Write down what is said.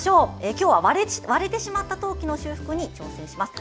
今日は割れてしまった陶器の修復に挑戦します。